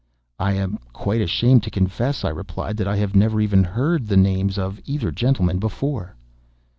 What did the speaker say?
"I am quite ashamed to confess," I replied, "that I have never even heard the names of either gentleman before."